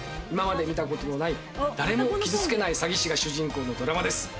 今まで見たことのない、誰も傷付けない詐欺師が主人公のドラマです。